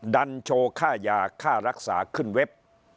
ดันโชว์ค่ายาค่ารักษาขึ้นเว็บ